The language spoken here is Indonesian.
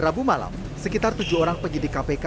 rabu malam sekitar tujuh orang penyidik kpk